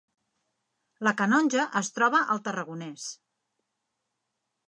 La Canonja es troba al Tarragonès